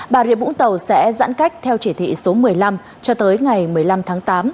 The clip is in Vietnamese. bà rịa vũng tàu sẽ giãn cách theo chỉ thị số một mươi năm cho tới ngày một mươi năm tháng tám